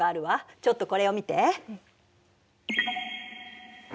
ちょっとこれを見て。